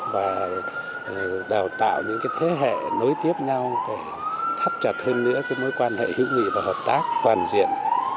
và đào tạo những thế hệ nối tiếp nhau thắt chặt hơn nữa mối quan hệ hữu nghị và hợp tác toàn diện